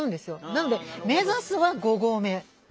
なので目指すは５合目。